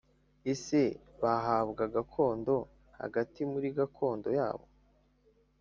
Ese bahabwa gakondo hagati muri gakondo yabo?